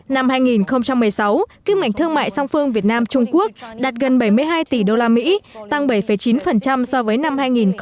năm hai nghìn một mươi sáu kích mạnh thương mại song phương việt nam trung quốc đạt gần bảy mươi hai tỷ đô la mỹ tăng bảy chín so với năm hai nghìn một mươi năm